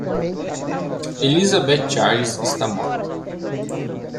Elizabeth Charles está morta.